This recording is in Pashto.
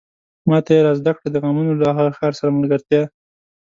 ماته يې را زده کړه د غمونو له هغه ښار سره ملګرتيا